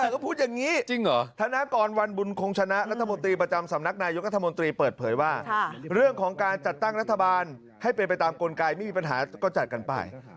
ก็พูดอย่างนี้จริงเหรอธนากรวันบุญคงชนะรัฐมนตรีประจำสำนักนายกรัฐมนตรีเปิดเผยว่าเรื่องของการจัดตั้งรัฐบาลให้เป็นไปตามกลไกไม่มีปัญหาก็จัดกันไป